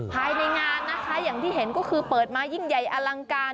ภายในงานนะคะอย่างที่เห็นก็คือเปิดมายิ่งใหญ่อลังการ